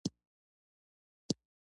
قلم او کاغذ راوړي.